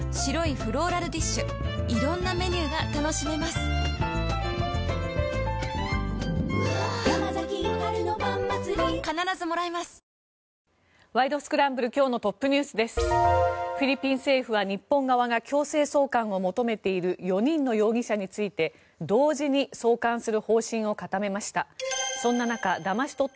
フィリピン政府は日本側が強制送還を求めている４人の容疑者について同時に送還する方針を固めました。